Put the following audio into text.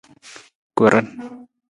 Koran.